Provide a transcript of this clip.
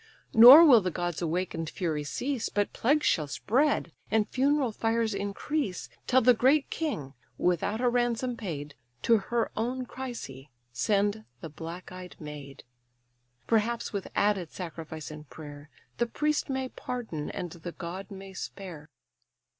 Nor will the god's awaken'd fury cease, But plagues shall spread, and funeral fires increase, Till the great king, without a ransom paid, To her own Chrysa send the black eyed maid. Perhaps, with added sacrifice and prayer, The priest may pardon, and the god may spare."